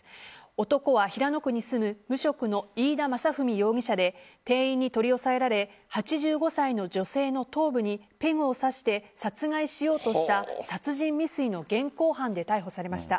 男は平野区に住む、無職の飯田雅文容疑者で店員に取り押さえられ８５歳の女性の頭部にペグを刺して殺害しようとした殺人未遂の現行犯で逮捕されました。